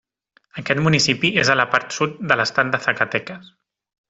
Aquest municipi és a la part sud de l'estat de Zacatecas.